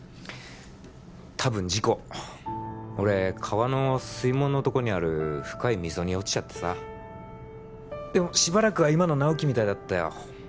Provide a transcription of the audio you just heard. たぶん事故俺川の水門のとこにある深い溝に落ちちゃってさでもしばらくは今の直木みたいだったよ